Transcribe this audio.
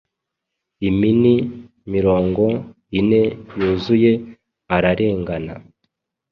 Imini mirongo ine yuzuye ararengana,